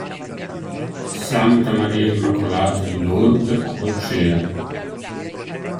Santa Maria Immacolata di Lourdes a Boccea